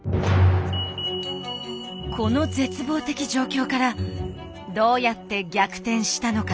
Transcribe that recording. この絶望的状況からどうやって逆転したのか。